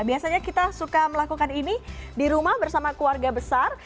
biasanya kita suka melakukan ini di rumah bersama keluarga besar